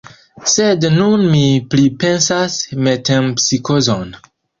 Sed nun mi pripensas metempsikozon.